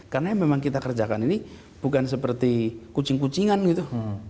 karena yang memang kita kerjakan ini bukan seperti kucing kucingan gitu